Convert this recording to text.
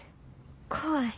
怖い。